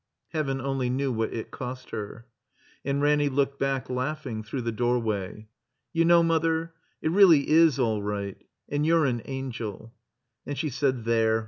! (Heaven only knew what it cost her.) And Ranny looked back, laughing, through the doorway. "You know, Mother, it reelly is all right. And you're an angel." And she said, "There!